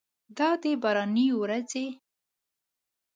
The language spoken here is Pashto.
دا ده باراني ورېځه!